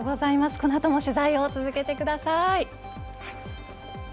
このあとも取材を続けてください。